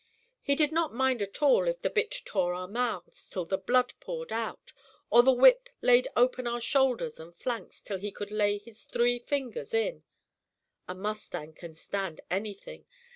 He did not mind at all if the bit tore our mouths till the blood poured out, or the whip laid open our shoulders and flanks till he could lay his three fingers in; a mustang can stand anything.